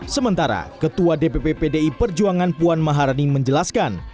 sementara ketua dpp pdi perjuangan puan maharani menjelaskan